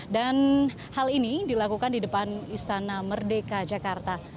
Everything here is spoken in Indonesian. dan hal ini dilakukan di depan istana merdeka jakarta